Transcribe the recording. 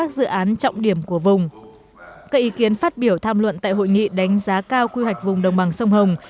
các ý kiến phát biểu tham luận tại hội nghị đánh giá cao quy hoạch vùng đồng bằng sông hồng